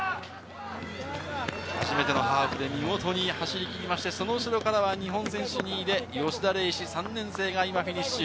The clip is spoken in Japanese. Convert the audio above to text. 初めてのハーフで見事に走りきりまして、その後ろからは日本選手２位で吉田礼志、３年生が今、フィニッシュ。